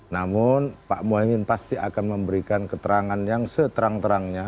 namun pak muhaymin pasti akan memberikan keterangan yang seterang terangnya